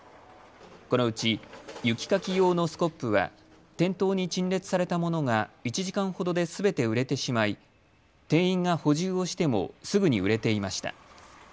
このうち、雪かき用のスコップは店頭に陳列されたものが１時間ほどですべて売れてしまい店員が補充をしてもすぐに売れていました。